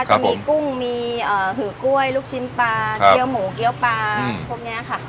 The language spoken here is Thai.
จะมีกุ้งมีหือกล้วยลูกชิ้นปลาเกี้ยวหมูเกี้ยวปลาพวกนี้ค่ะ